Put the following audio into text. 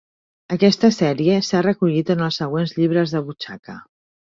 Aquesta sèrie s'ha recollit en els següents llibres de butxaca.